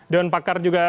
dewan pakar juga